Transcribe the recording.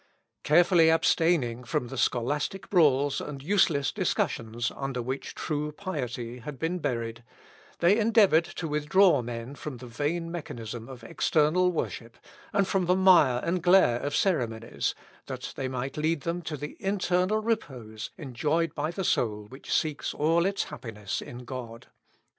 Carefully abstaining from the scholastic brawls and useless discussions under which true piety had been buried, they endeavoured to withdraw men from the vain mechanism of external worship, and from the mire and glare of ceremonies, that they might lead them to the internal repose enjoyed by the soul which seeks all its happiness in God.